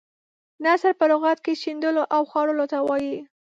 نثر په لغت کې شیندلو او خورولو ته وايي.